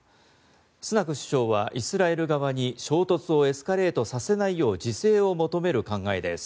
スナク首相はイスラエル側に衝突をエスカレートさせないよう自制を求める考えです。